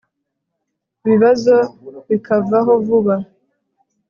ibibazo bikavaho vuba